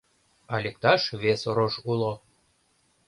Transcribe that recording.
А лекташ вес рож уло.